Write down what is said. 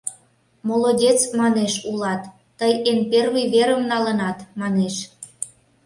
— Молодец, манеш, улат, тый эн первый верым налынат, манеш.